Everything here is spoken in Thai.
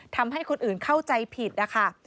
ทำให้คนอื่นเข้าใจผิดนะคะ